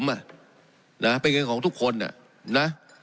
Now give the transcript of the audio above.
เป็นเงินของทุกคนนะ